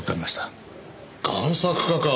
贋作家か。